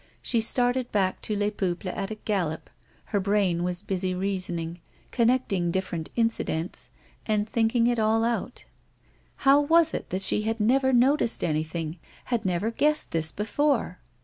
She started back to Les Peuples at a gallop. Her brain was busy reasoning, con necting diff"erent incidents and thinking it all out. How was it that she had never noticed anything, had never guessed this before